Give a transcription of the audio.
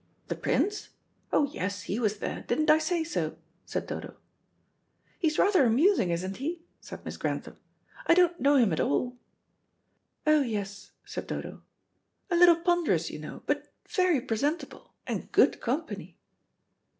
"The Prince? Oh yes, he was there; didn't I say so?" said Dodo. "He's rather amusing, isn't he?" said Miss Grantham. "I don't know him at all." "Oh, yes," said Dodo; "a little ponderous, you know, but very presentable, and good company."